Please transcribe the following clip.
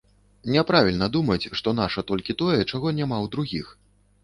Няправільна думаць, што наша толькі тое, чаго няма ў другіх.